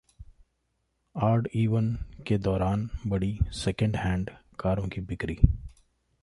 odd-even के दौरान बढ़ी सेकंड हैंड कारों की बिक्री